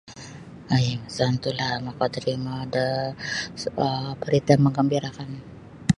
Ai tantulah makatorimo da um barita manggambirakan.